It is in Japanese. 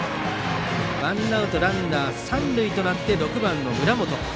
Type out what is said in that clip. ワンアウトランナー三塁となって、６番の村本。